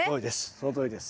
そのとおりです